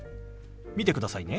見てくださいね。